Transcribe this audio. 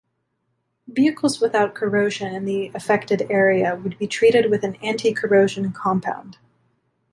Vehicles without corrosion in the affected area would be treated with an anti-corrosion compound.